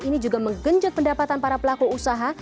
ini juga menggenjot pendapatan para pelaku usaha